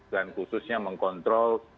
dan khususnya mengkontrol